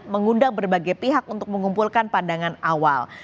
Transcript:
mengundang berbagai pihak untuk mengumpulkan pandangan awal